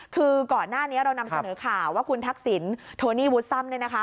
คือก่อนหน้านี้เรานำเสนอข่าวว่าคุณทักษิณโทนี่วูซัมเนี่ยนะคะ